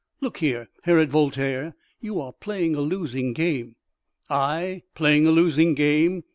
Look here, Herod Voltaire; you are playing a losing game." "I playing a losing game?